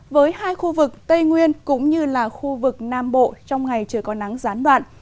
với hai khu vực tây nguyên cũng như là khu vực nam bộ trong ngày trời có nắng gián đoạn